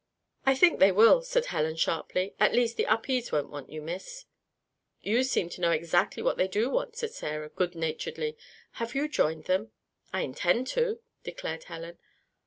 "I think they will," said Helen, sharply. "At least, the Upedes don't want you, Miss." "You seem to knew exactly what they do want," said Sarah, good naturedly. "Have you joined them?" "I intend to," declared Helen.